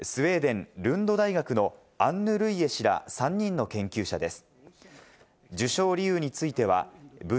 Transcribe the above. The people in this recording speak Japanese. スウェーデン・ルンド大学のアンヌ・ルイエ氏ら３人の研究者です。